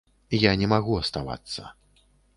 Я не магу аставацца.